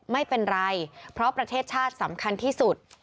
ไม่เป็นไรเพราะประเทศชาติสำคัญที่สุด